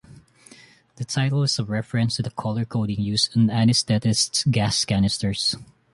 The title is a reference to the colour-coding used on anaesthetists' gas canisters.